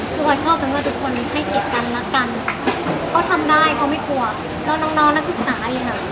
คือพอชอบกันว่าทุกคนให้เก็บกันรักกันเขาทำได้เขาไม่กลัวแล้วน้องนักศึกษาเองอะ